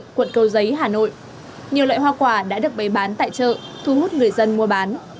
hà nội nhiều loại hoa quả đã được bày bán tại chợ thu hút người dân mua bán